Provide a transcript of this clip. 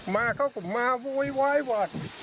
มาเขาก็มาโวยวายวอด